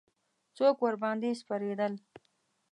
څوک ورباندې سپرېدل.